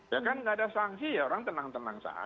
ya kan nggak ada sanksi ya orang tenang tenang saja